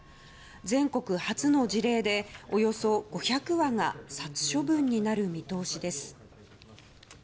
全国初の事例でおよそ５００羽が殺処分になる見通しです。